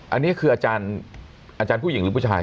อันนี้คืออาจารย์ผู้หญิงหรือผู้ชาย